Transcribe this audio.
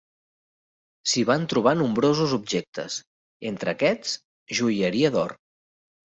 S'hi van trobar nombrosos objectes, entre aquests, joieria d'or.